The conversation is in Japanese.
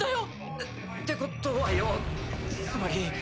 ⁉えっってことはよつまり。